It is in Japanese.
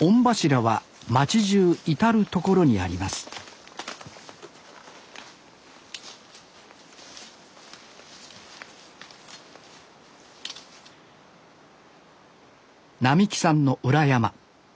御柱は町じゅう至る所にあります並喜さんの裏山。